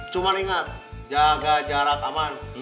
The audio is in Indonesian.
cuma ingat jaga jarak aman